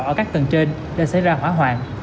ở các tầng trên đã xảy ra hỏa hoạn